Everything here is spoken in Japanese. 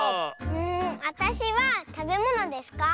わたしはたべものですか？